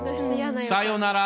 さよなら！